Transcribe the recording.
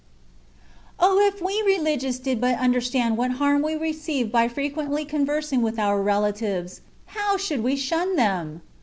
! if we Religious did but understand what harm we receive by frequently conversing with our relatives, how should we shun them